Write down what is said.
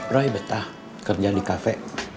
roy betah kerjaan di kafe